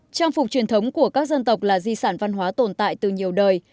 trang phục truyền thống của các dân tộc là di sản văn hóa tồn tại từ nhiều đời